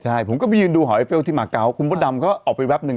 ใช่ผมก็มีสิทธิ์หอยเป้ลที่มาเก้าคุณพระดำก็ออกไปแป๊บหนึ่ง